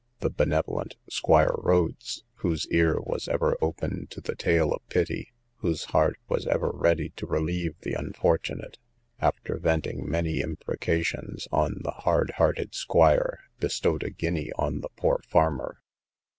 The benevolent Squire Rhodes whose ear was ever open to the tale of pity—whose heart was ever ready to relieve the unfortunate, after venting many imprecations on the hard hearted squire, bestowed a guinea on the poor farmer.